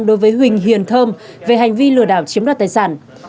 đối với huỳnh hiền thơm về hành vi lừa đảo chiếm đoạt tài sản